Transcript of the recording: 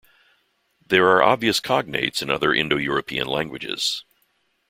There are obvious cognates in other Indo-European languages.